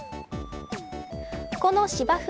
この芝生